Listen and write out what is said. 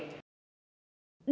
đó là trục xuất